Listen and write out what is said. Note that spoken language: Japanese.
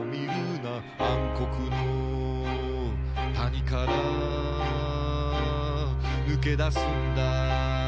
「暗黒の谷から脱けだすんだ」